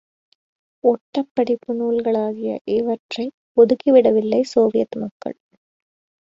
ஒட்டப் படிப்பு நூல்களாகிய இவற்றை ஒதுக்கிவிடவில்லை சோவியத் மக்கள்.